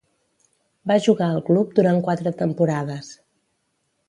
Va jugar al club durant quatre temporades.